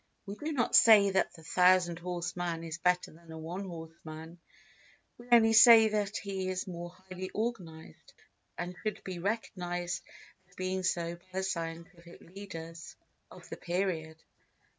We do not say that the thousand horse man is better than a one horse man, we only say that he is more highly organised, and should be recognised as being so by the scientific leaders of the period.